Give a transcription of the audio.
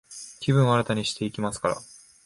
気分を新たにしていきますから、